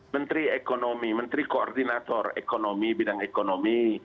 menteri ekonomi menteri koordinator ekonomi bidang ekonomi